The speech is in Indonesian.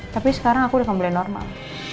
tapi sekarang aku udah mulai normal